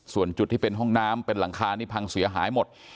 ส่วนจุดที่เป็นห้องน้ำเป็นหลังคานี่พังเสียหายหมด